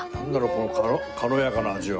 この軽やかな味は。